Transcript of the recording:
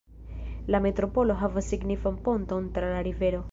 La metropolo havas signifan ponton tra la rivero.